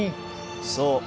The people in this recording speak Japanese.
そう。